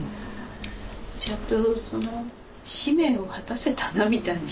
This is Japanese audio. ちゃんと使命を果たせたなみたいな。